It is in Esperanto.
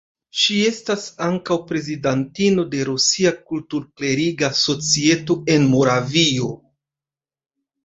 Ŝi estas ankaŭ prezidantino de Rusia Kultur-kleriga Societo en Moravio.